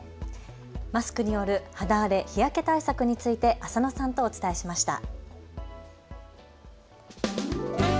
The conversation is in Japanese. マスクによる肌荒れ、日焼け対策について浅野さんとお伝えしました。